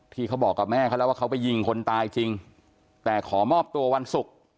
ที่เขาบอกกับแม่เขาแล้วว่าเขาไปยิงคนตายจริงแต่ขอมอบตัววันศุกร์